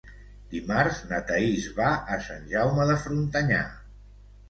Dimarts na Thaís va a Sant Jaume de Frontanyà.